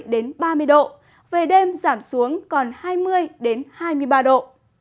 đến ba mươi độ về đêm giảm xuống còn hai mươi hai mươi ba độ